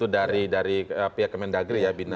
dari pihak kemendagri